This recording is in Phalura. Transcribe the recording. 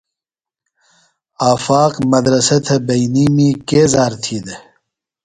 آفاق مدرسہ تھےۡ بئینیمی کے ذار تھی دےۡ؟